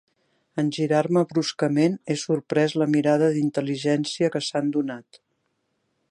En girar-me bruscament he sorprès la mirada d'intel·ligència que s'han donat.